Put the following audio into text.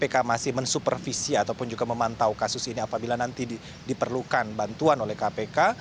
kpk masih mensupervisi ataupun juga memantau kasus ini apabila nanti diperlukan bantuan oleh kpk